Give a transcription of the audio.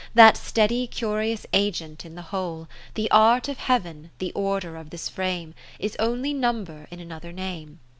That steady curious agent in the whole, The art of Heaven, the order of this frame. Is only Number in another name.